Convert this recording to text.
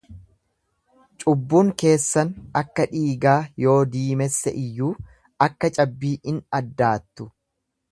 Cubbuun keessan akka dhiigaa yoo diimesse iyyuu, akka cabbii in addaattu.